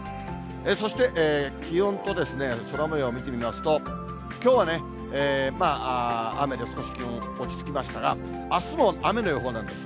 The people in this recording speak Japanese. そして、気温と空もようを見てみますと、きょうはね、雨で少し気温落ち着きましたが、あすも雨の予報なんです。